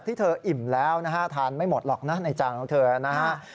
ที่เธออิ่มแล้วนะฮะทานไม่หมดหรอกนะในจานของเธอนะฮะ